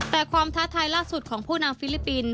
แต่ความท้าทายล่าสุดของผู้นำฟิลิปปินส